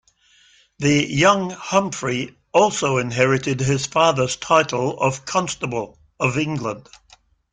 The young Humphrey also inherited his father's title of Constable of England.